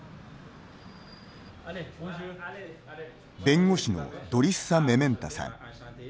弁護士のドリッサ・メメンタさん。